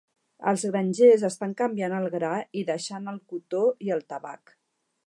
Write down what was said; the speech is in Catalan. Els grangers estan canviant al gra i deixant el cotó i el tabac.